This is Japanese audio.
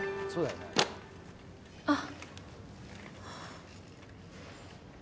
あっ。